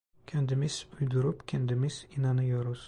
Kendimiz uydurup kendimiz inanıyoruz.